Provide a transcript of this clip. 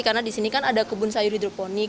karena disini kan ada kebun sayur hidroponik